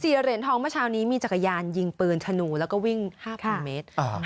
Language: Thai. เหรียญทองเมื่อเช้านี้มีจักรยานยิงปืนชนูแล้วก็วิ่ง๕๐๐เมตร